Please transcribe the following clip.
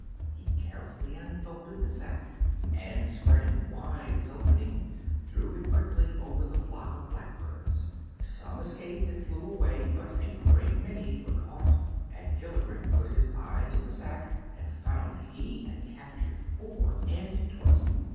He carefully unfolded the sack, and spreading wide its opening threw it quickly over the flock of blackbirds. Some escaped and flew away, but a great many were caught, and Gilligren put his eye to the sack and found he had captured four and twenty.